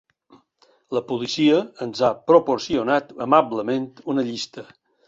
La policia ens ha proporcionat amablement una llista.